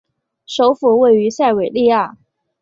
首府位于塞维利亚。